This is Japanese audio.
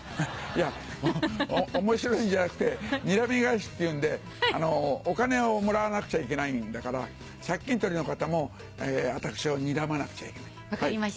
いや面白いんじゃなくて「睨み返し」っていうんでお金をもらわなくちゃいけないんだから借金取りの方も私をにらまなくちゃいけない。